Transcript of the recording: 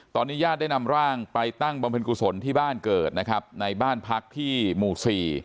ตอนนี้ญาติได้นำร่างไปตั้งบำเพ็ญกุศลที่บ้านเกิดนะครับในบ้านพักที่หมู่สี่